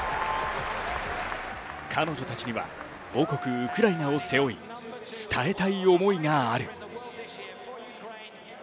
彼女たちには母国ウクライナを背負い伝えたい思いがある。